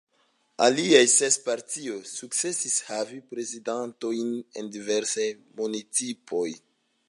Aliaj ses partioj sukcesis havi reprezentantojn en diversaj municipoj.